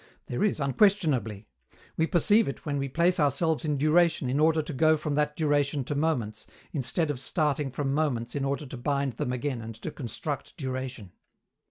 There is, unquestionably. We perceive it when we place ourselves in duration in order to go from that duration to moments, instead of starting from moments in order to bind them again and to construct duration.